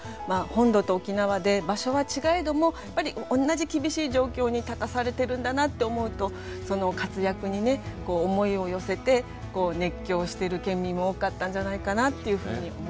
本土と沖縄で場所は違えどもやっぱり同じ厳しい状況に立たされてるんだなって思うとその活躍にね思いを寄せて熱狂してる県民も多かったんじゃないかなっていうふうに思いますね。